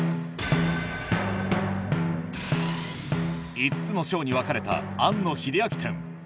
５つの章に分かれた庵野秀明展